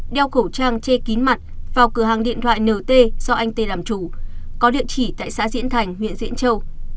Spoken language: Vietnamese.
đeo khẩu trang che kín mặt vào cửa hàng điện thoại nt do anh tê làm chủ có địa chỉ tại xã diễn thành huyện diễn châu